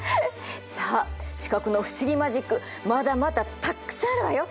さあ視覚の不思議マジックまだまだたっくさんあるわよ。